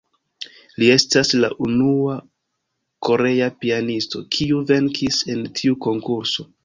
Li estas la unua korea pianisto, kiu venkis en tiu Konkurso.